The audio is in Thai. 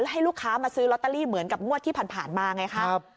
ให้ลูกค้ามาซื้อลอตเตอรี่เหมือนกับงวดที่ผ่านมาไงคะ